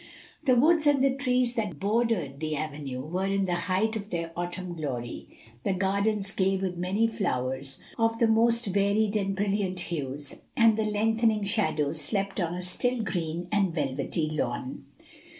The woods and the trees that bordered the avenue were in the height of their autumn glory, the gardens gay with many flowers of the most varied and brilliant hues, and the lengthening shadows slept on a still green and velvety lawn.